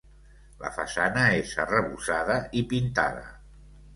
La façana és arrebossada i pintada.